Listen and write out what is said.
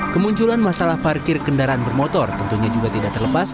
kemunculan masalah parkir kendaraan bermotor tentunya juga tidak terlepas